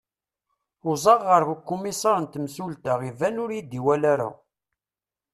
uẓaɣ ɣer ukumisar n temsulta iban ur iyi-iwali ara